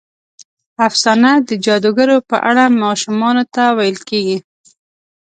افسانه د جادوګرو په اړه ماشومانو ته ویل کېږي.